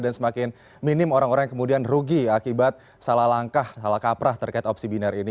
dan semakin minim orang orang yang kemudian rugi akibat salah langkah salah kaprah terkait opsi binar ini